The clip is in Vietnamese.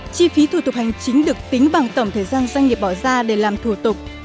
chi phí thủ tục hành chính được tính bằng tổng thời gian doanh nghiệp bỏ ra để làm thủ tục